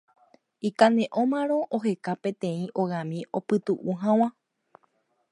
Ikane'õmarõ oheka peteĩ ogami opytu'u hag̃ua.